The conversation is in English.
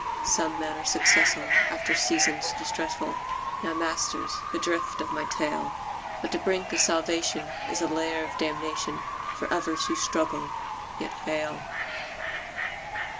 Some men are successful after seasons distressful [Now, masters, the drift of my tale]; But the brink of salvation is a lair of damnation For others who struggle, yet fail.